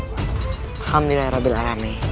alhamdulillah rabbil alameh